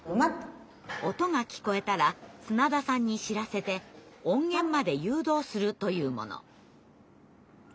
音が聞こえたら砂田さんに知らせて音源まで誘導するというもの。